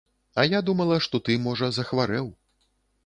А я думала, што ты, можа, захварэў.